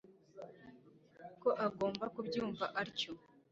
ko agomba kubyumva atyo